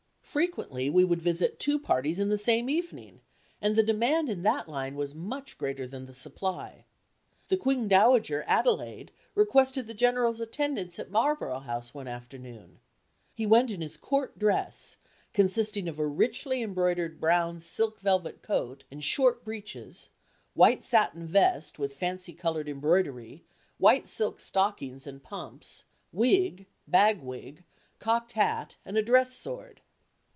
Frequently we would visit two parties in the same evening, and the demand in that line was much greater than the supply. The Queen Dowager Adelaide requested the General's attendance at Marlborough House one afternoon. He went in his court dress, consisting of a richly embroidered brown silk velvet coat and short breeches, white satin vest with fancy colored embroidery, white silk stockings and pumps, wig, bag wig, cocked hat, and a dress sword.